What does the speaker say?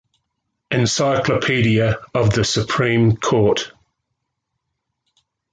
Encyclopedia of the Supreme Court.